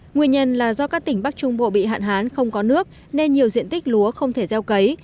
nguyên nhân là do các tỉnh bắc trung bộ bị hạn hán không có nước nên nhiều diện tích lúa không thể gieo cấy